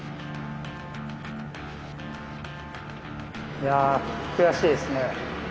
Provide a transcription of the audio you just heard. いや悔しいですね。